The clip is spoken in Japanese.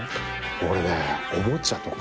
俺ねおもちゃとか。